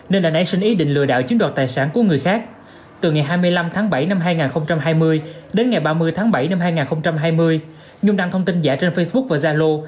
nên đã nảy sinh ý định lừa đảo chiếm đoạt tài sản của người khác từ ngày hai mươi năm tháng bảy năm hai nghìn hai mươi đến ngày ba mươi tháng bảy năm hai nghìn hai mươi nhung đăng thông tin giả trên facebook và zalo